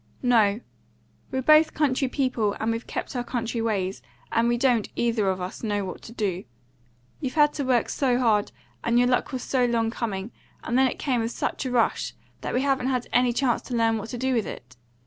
"No; we're both country people, and we've kept our country ways, and we don't, either of us, know what to do. You've had to work so hard, and your luck was so long coming, and then it came with such a rush, that we haven't had any chance to learn what to do with it.